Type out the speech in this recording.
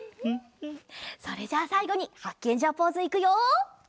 それじゃあさいごにハッケンジャーポーズいくよ！